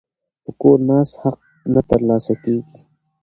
په کور ناست حق نه ترلاسه کیږي.